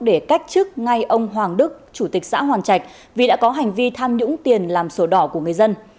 để cách chức ngay ông hoàng đức chủ tịch xã hoàn trạch vì đã có hành vi tham nhũng tiền làm sổ đỏ của người dân